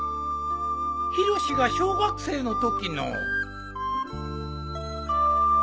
ヒロシが小学生の時の。